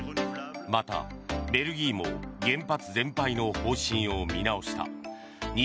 またベルギーも原発全廃の方針を見直した。